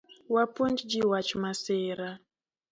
Wapuonj ji wach masira